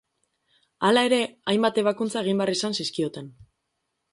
Hala ere, hainbat ebakuntza egin behar izan zizkioten.